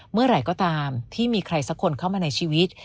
เมื่อไหร่ก็ตามที่มีใครสักคนเข้ามาในชีวิต